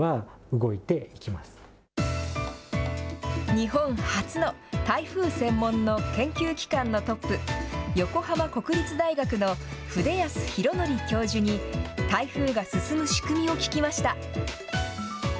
日本初の台風専門の研究機関のトップ、横浜国立大学の筆保弘徳教授に台風が進む仕組みを聞きました。